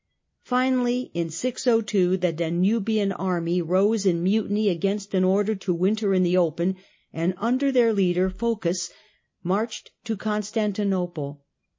Finally, in 602, the Danubian army rose in mutiny against an order to winter in the open, and under their leader, Phocas, marched to Constantinople.